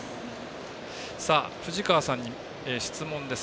藤川さんに質問です。